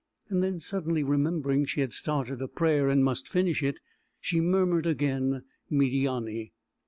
And then, suddenly remembering she had started a prayer and must finish it, she murmured again "Médiâni."